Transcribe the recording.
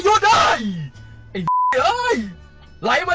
อุฬแพบ